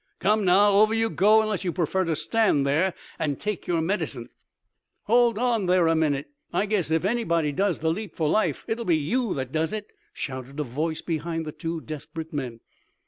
"Come now, over you go, unless you prefer to stand there and take your medicine." "Hold on there a minute. I guess if anybody does the leap for life, it'll be you that does it," shouted a voice behind the two desperate men.